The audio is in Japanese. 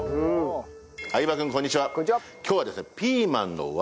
相葉君こんにちは。